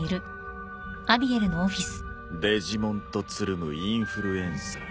デジモンとつるむインフルエンサー。